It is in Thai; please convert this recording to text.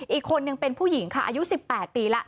อีกคนนึงเป็นผู้หญิงค่ะอายุ๑๘ปีแล้ว